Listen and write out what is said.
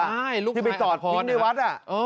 ใช่ลูกทายอธพรที่ไปจอดพิงในวัด